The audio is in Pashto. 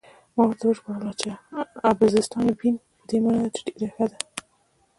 ما ورته ژباړله چې: 'Abbastanza bene' په دې مانا چې ډېره ښه ده.